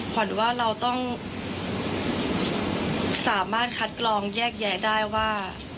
ขวัญว่าเราต้องสามารถคัดกรองแยกแยะได้ว่า